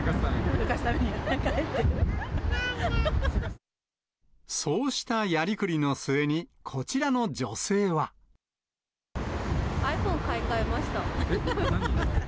浮かすために、早く入ってっそうしたやりくりの末に、ｉＰｈｏｎｅ買い替えました。